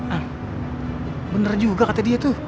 ang bener juga kata dia tuh